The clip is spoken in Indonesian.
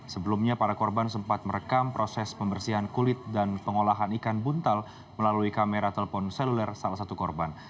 sebelumnya para korban sempat merekam proses pembersihan kulit dan pengolahan ikan buntal melalui kamera telepon seluler salah satu korban